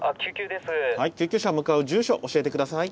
はい救急車向かう住所教えて下さい。